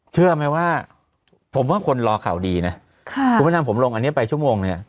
เชื่อไหมว่าผมว่าคนรอข่าวดีนะค่ะคุณพระดำผมลงอันนี้ไปชั่วโมงเนี่ย